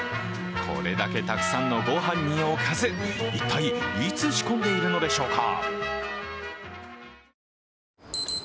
これだけたくさんのご飯におかず、一体いつ仕込んでいるのでしょうか。